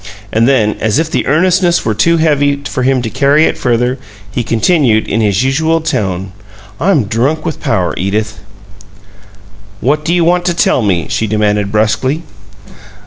And then, as if the earnestness were too heavy for him to carry it further, he continued, in his usual tone, "I'm drunk with power, Edith." "What do you want to tell me?" she demanded, brusquely.